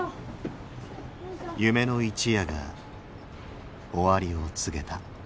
夢の一夜が終わりを告げた。